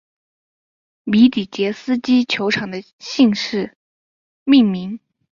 米底捷斯基球场的姓氏命名。